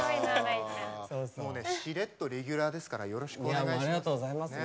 しれっとレギュラーですからよろしくお願いします。